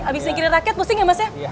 abis mikirin raket pusing ya mas ya